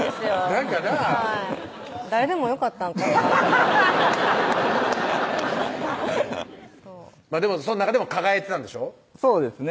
なんかなぁ誰でもよかったんかでもその中でも輝いてたんでしょそうですね